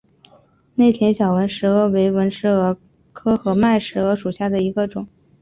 内田小纹石蛾为纹石蛾科合脉石蛾属下的一个种。